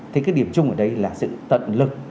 thì cái điểm chung ở đây là sự tận lực